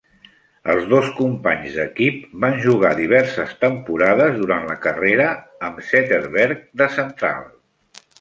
Els dos companys d'equip van jugar diverses temporades durant la carrera amb Zetterberg de central.